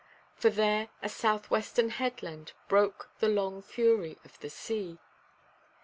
For there a south–western headland broke the long fury of the sea.